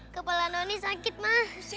kepala noni sakit ma